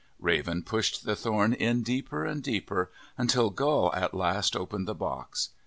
Raven pushed the thorn in deeper and deeper until Gull at last opened the box.